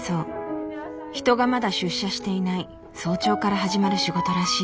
人がまだ出社していない早朝から始まる仕事らしい。